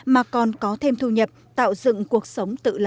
mà cũng có cơ hội tiếp xúc với xã hội